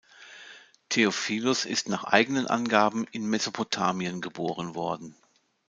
Theophilus ist nach eigenen Angaben in Mesopotamien geboren worden.